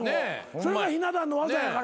それがひな壇の業やからな。